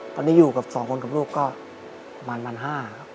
ตอนนี้อยู่กับ๒คนกับลูกก็ประมาณ๑๕๐๐ครับ